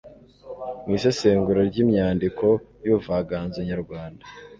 mu isesengura ry'imyandiko y'ubuvanganzo nyarwanda.